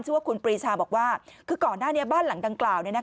ว่าคุณปรีชาบอกว่าคือก่อนหน้านี้บ้านหลังดังกล่าว